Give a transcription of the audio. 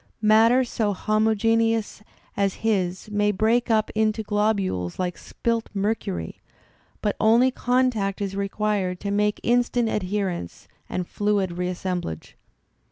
' Matter so homogeneous as his may break up into globules like spilt mercury, but only contact is required to make instant adherence and fluid reassemblage.